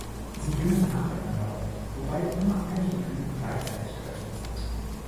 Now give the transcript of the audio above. Sie blühen nacheinander auf, wobei immer einige Blüten gleichzeitig geöffnet sind.